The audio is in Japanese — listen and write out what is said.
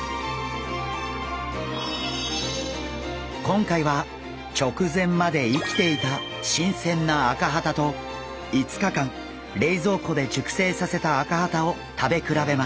今回は直前まで生きていた新鮮なアカハタと５日間冷蔵庫で熟成させたアカハタを食べ比べます。